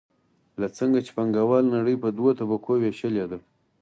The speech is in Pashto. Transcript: لکه څنګه چې پانګواله نړۍ په دوو طبقو ویشلې ده.